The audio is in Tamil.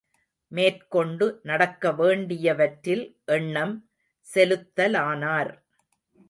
மேற்கொண்டு நடக்கவேண்டியவற்றில் எண்ணம் செலுத்தலானார்.